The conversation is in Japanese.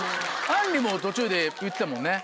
あんりも途中で言ってたもんね